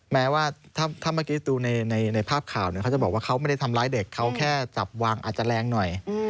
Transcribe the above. แม้ว่าถ้าเมื่อกี้ดูในภาพข่าวเขาจะบอกว่าเขาไม่ได้ทำร้ายเด็กเขาแค่จับวางอาจจะแรงหน่อย